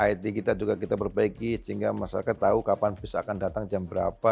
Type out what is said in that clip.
it kita juga kita perbaiki sehingga masyarakat tahu kapan bus akan datang jam berapa